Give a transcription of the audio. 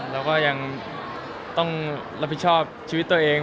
เราก็ยังต้องรับผิดชอบชีวิตตัวเอง